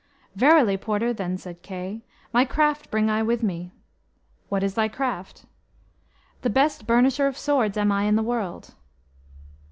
"Verily, porter," then said Kay, "my craft bring I with me." "What is thy craft?" "The best burnisher of swords am I in the world."